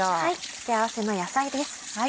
付け合わせの野菜です。